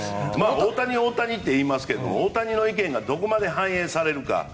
大谷、大谷って言いますけど大谷の意見がどこまで反映されるか。